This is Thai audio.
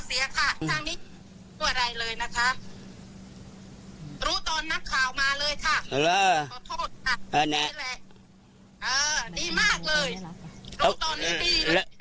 เออดีมากเลยโลกตอนนี้ดีมาก